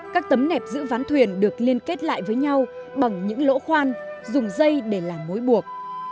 các tấm nẹp giữ ván thuyền được liên kết lại với nhau bằng những lỗ khoan dùng dây để làm mối buộc